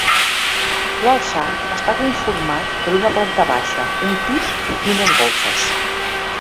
L'alçat està conformat per una planta baixa, un pis i unes golfes.